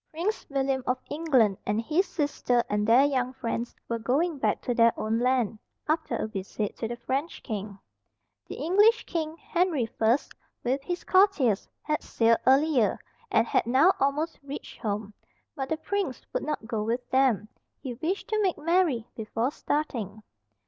Prince William of England and his sister and their young friends were going back to their own land, after a visit to the French king. The English king, Henry I, with his courtiers, had sailed earlier, and had now almost reached home. But the prince would not go with them, he wished to make merry before starting.